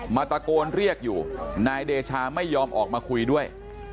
ตะโกนเรียกอยู่นายเดชาไม่ยอมออกมาคุยด้วย